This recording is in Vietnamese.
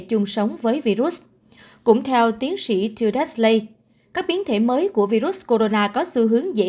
chung sống với virus cũng theo tiến sĩ telslay các biến thể mới của virus corona có xu hướng dễ